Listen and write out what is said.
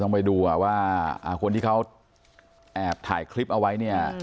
ไปดูว่าคนที่เขาแอบถ่ายคลิปเอาไว้เนี่ย